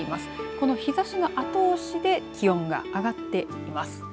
この日ざしの後押しで気温が上がっています。